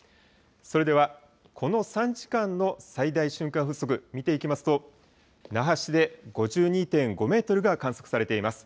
それではこの３時間の最大瞬間風速、見ていきますと、那覇市で５２．５メートルが観測されています。